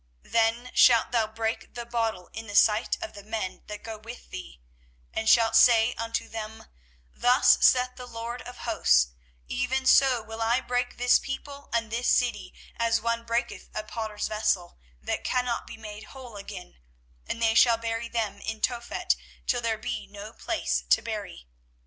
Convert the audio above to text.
24:019:010 Then shalt thou break the bottle in the sight of the men that go with thee, 24:019:011 And shalt say unto them, Thus saith the LORD of hosts; Even so will I break this people and this city, as one breaketh a potter's vessel, that cannot be made whole again: and they shall bury them in Tophet, till there be no place to bury.